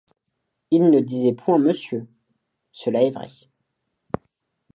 Il ne disait point monsieur, cela est vrai.